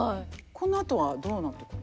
このあとはどうなっていくんですか。